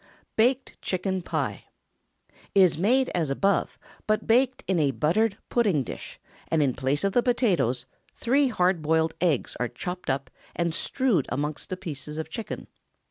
BAKED CHICKEN PIE ✠ Is made as above, but baked in a buttered pudding dish, and, in place of the potatoes, three hard boiled eggs are chopped up and strewed among the pieces of chicken.